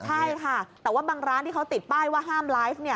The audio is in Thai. ใช่ค่ะแต่ว่าบางร้านที่เขาติดป้ายว่าห้ามไลฟ์เนี่ย